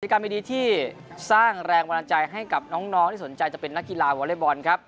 กรรมดีที่สร้างแรงบันดาลใจให้กับน้องที่สนใจจะเป็นนักกีฬาวอเล็กบอลครับ